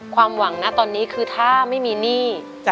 ความหวังนะตอนนี้คือถ้าไม่มีหนี้